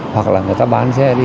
hoặc là người ta bán xe đi